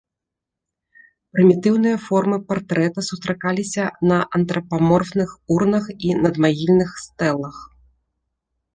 Прымітыўныя формы партрэта сустракаліся на антрапаморфных урнах і надмагільных стэлах.